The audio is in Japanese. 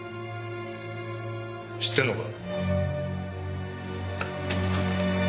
知ってるのか？